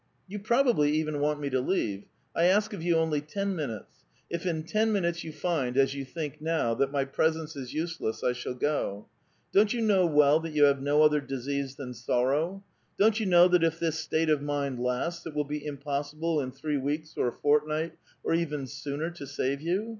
*' You probably even want me to leave. I ask of you only ten minutes. If in ten minutes you find, as you think now, that my presence is useless, I shall go. Don't you know well that you have no other disease than sorrow? Don't you know that if this state of mind lasts, it will be impossible in three weeks or a fortnight, or even sooner, to save you?